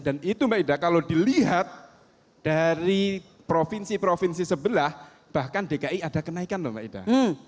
dan itu maeda kalau dilihat dari provinsi provinsi sebelah bahkan dki ada kenaikan maeda